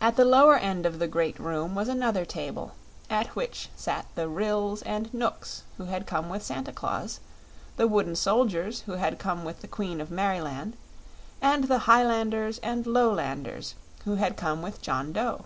At the lower end of the great room was another table, at which sat the Ryls and Knooks who had come with Santa Claus, the wooden soldiers who had come with the Queen of Merryland, and the Hilanders and Lolanders who had come with John Dough.